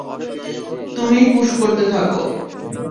তুমিই পুশ করতে থাকো।